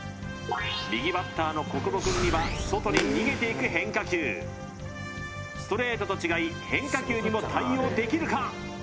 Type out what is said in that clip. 右バッターの小久保くんには外に逃げていく変化球ストレートと違い変化球にも対応できるか？